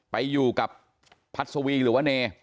ไปอยู่กับพัศวีหรือว่าเน